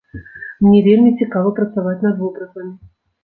Мне вельмі цікава працаваць над вобразамі.